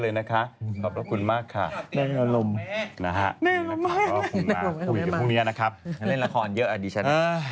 เล่นละครเยอะอดิฉัน